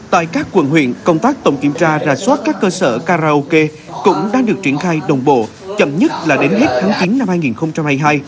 tại các quận huyện công tác tổng kiểm tra rà soát các cơ sở karaoke cũng đang được triển khai đồng bộ chậm nhất là đến hết tháng chín năm hai nghìn hai mươi hai